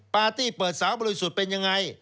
ปาร์ตี้เปิดสาวบริสุทธิ์เป็นยังไง